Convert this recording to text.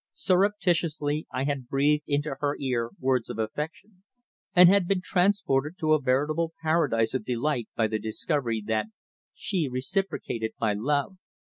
"Surreptitiously I had breathed into her ear words of affection, and had been transported to a veritable paradise of delight by the discovery that she reciprocated my love.